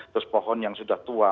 terus pohon yang sudah tua